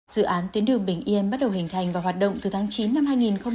dự án tuyến đường bình yên bắt đầu hình thành và hoạt động từ tháng chín năm hai nghìn một mươi chín